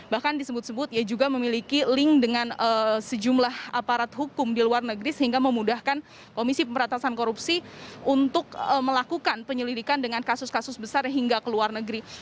bahkan disebut sebut ia juga memiliki link dengan sejumlah aparat hukum di luar negeri sehingga memudahkan komisi pemberantasan korupsi untuk melakukan penyelidikan dengan kasus kasus besar hingga ke luar negeri